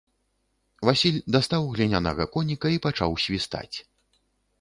Васіль дастаў глінянага коніка і пачаў свістаць.